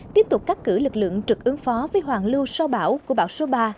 tiếp tục cắt cử lực lượng trực ứng phó với hoàng lưu sau bão của bão số ba